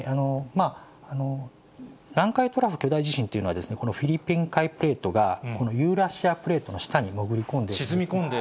南海トラフ巨大地震というのは、このフィリピン海プレートがこのユーラシアプレートの下に潜り込沈み込んで。